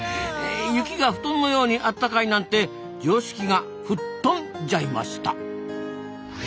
雪が布団のように暖かいなんて常識がふっとんじゃいました。